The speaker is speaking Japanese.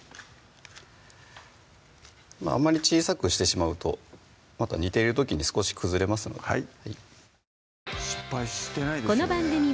あまり小さくしてしまうとまた煮てる時に少し崩れますのではい